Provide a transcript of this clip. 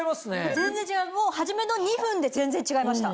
全然違う初めの２分で全然違いました。